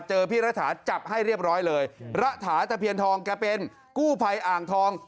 พี่รัฐาจับให้เรียบร้อยเลยระถาตะเพียนทองแกเป็นกู้ภัยอ่างทอง